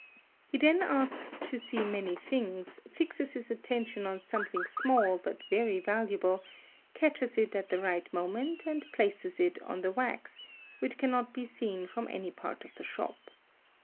He then asks to see many things, fixes his attention on something small but very valuable, catches it at the right moment, and places it on the wax, which cannot be seen from any part of the shop.